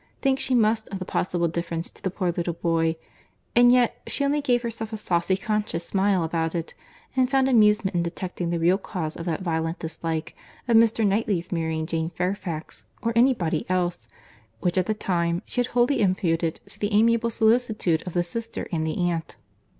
Think she must of the possible difference to the poor little boy; and yet she only gave herself a saucy conscious smile about it, and found amusement in detecting the real cause of that violent dislike of Mr. Knightley's marrying Jane Fairfax, or any body else, which at the time she had wholly imputed to the amiable solicitude of the sister and the aunt.